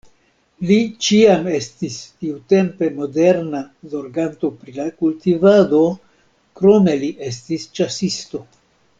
Li ĉiam estis tiutempe moderna zorganto pri la kultivado, krome li estis ĉasisto.